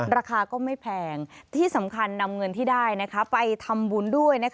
ราคาก็ไม่แพงที่สำคัญนำเงินที่ได้ไปทำบุญด้วย